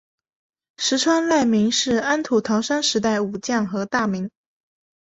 石川赖明是安土桃山时代武将和大名。